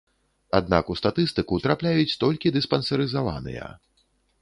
Аднак у статыстыку трапляюць толькі дыспансерызаваныя.